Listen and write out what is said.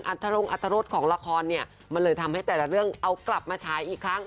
ตรงอัตรรสของละครเนี่ยมันเลยทำให้แต่ละเรื่องเอากลับมาฉายอีกครั้ง